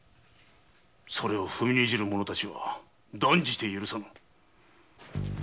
それを踏みにじる者たちは断じて許さぬ！